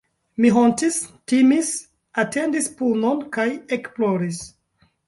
Mi hontis, timis, atendis punon kaj ekploris.